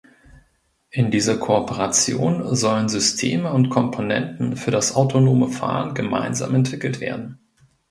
In dieser Kooperation sollen Systeme und Komponenten für das autonome Fahren gemeinsam entwickelt werden.